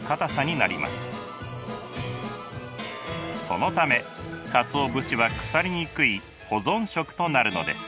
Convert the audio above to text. そのためかつお節は腐りにくい保存食となるのです。